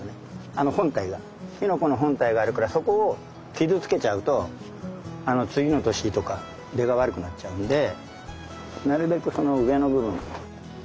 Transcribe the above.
あの本体がきのこの本体があるからそこを傷つけちゃうと次の年とか出が悪くなっちゃうんでなるべくその上の部分。